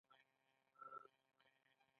د ګوربت لیوان ډیر خطرناک او سورسترګي دي.